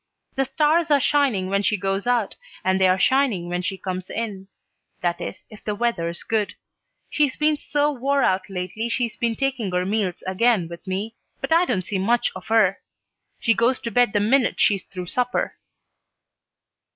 The stars are shining when she goes out and they're shining when she comes in; that is, if the weather's good. She's been so wore out lately she's been taking her meals again with me, but I don't see much of her. She goes to bed the minute she's through supper."